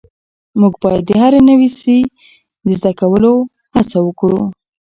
موږ باید د هر نوي سی د زده کولو هڅه وکړو.